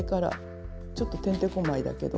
ちょっとてんてこまいだけど。